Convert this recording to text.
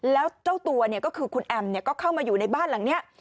แล้วเจ้าตัวก็คือคุณแอมก็เข้ามาอยู่ในบ้านหลังนี้